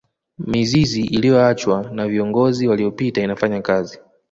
mizizi iliyoachwa na viongozi waliyopita inafanya kazi